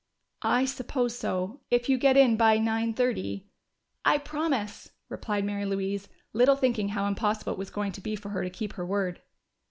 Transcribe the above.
"I suppose so. If you get in by nine thirty " "I promise!" replied Mary Louise, little thinking how impossible it was going to be for her to keep her word.